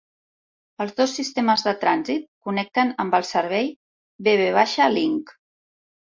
Els dos sistemes de trànsit connecten amb el servei B-V Link.